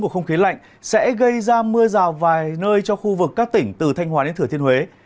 của không khí lạnh sẽ gây ra mưa rào vài nơi cho khu vực các tỉnh từ thanh hóa đến thừa thiên huế